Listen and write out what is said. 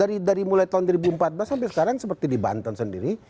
dari mulai tahun dua ribu empat belas sampai sekarang seperti di banten sendiri